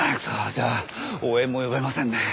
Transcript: じゃあ応援も呼べませんね。